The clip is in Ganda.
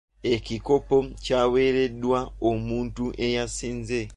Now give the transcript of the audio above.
Ekikopo kyaweereddwa omuntu eyasinze.